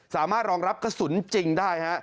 สามารถรองรับกระสุนจริงได้ฮะ